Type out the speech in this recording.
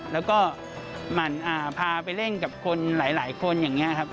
แล้วก็พาไปเล่นกับคนหลายคนอย่างนี้ครับ